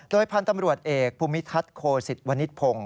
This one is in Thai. พันธุ์ตำรวจเอกภูมิทัศน์โคสิตวณิตพงศ์